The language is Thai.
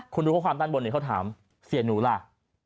คุณดูข้อความตั้งบนเนี่ยเขาถามเซียนูล่า